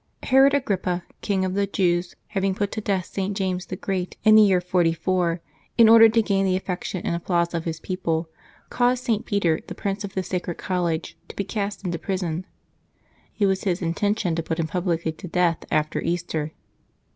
nEROD Ageippa, King of the Jews, having pnt to death St. James the Great in the year 44, in order to gain the affection and applause of his people, caused St. Peter, the prince of the sacred college, to be cast into prison. It was his intention to put him publicly to death after Easter.